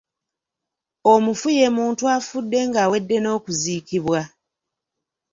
Omufu ye muntu afudde ng’awedde n’okuziikibwa.